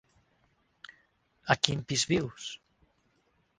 A quin pis vius?